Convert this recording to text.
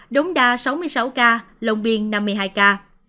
đống đa sáu mươi sáu ca long biên năm mươi hai ca